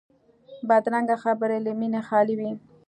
بدرنګه خبرې له مینې خالي وي